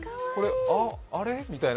あれ？みたいな。